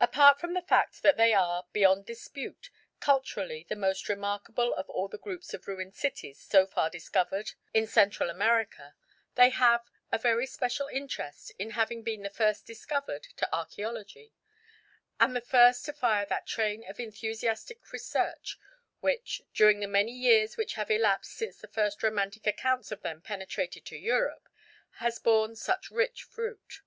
Apart from the fact that they are, beyond dispute, culturally the most remarkable of all the groups of ruined cities so far discovered in Central America, they have a very special interest in having been the first "discovered" to archæology, and the first to fire that train of enthusiastic research which, during the many years which have elapsed since the first romantic accounts of them penetrated to Europe, has borne such rich fruit.